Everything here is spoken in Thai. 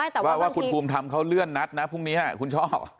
พูดถึงว่าคุณภูมิทำเขาเลื่อนนัดนะพรุ่งนี้ใช่ม่ะคุณชอบ